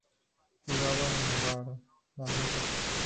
Jugaba de Guardameta.